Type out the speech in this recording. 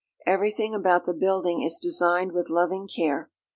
Everything about the building is designed with loving care.